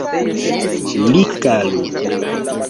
Likalu!